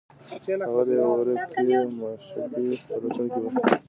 هغه د یوې ورکې معشوقې په لټون کې و